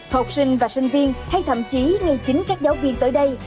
học sinh và sinh viên hay thậm chí ngay chính các giáo viên tới đây